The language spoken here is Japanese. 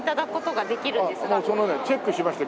もうそのねチェックしました。